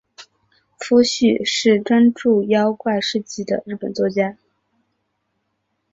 夫婿是专注妖怪事迹的日本作家。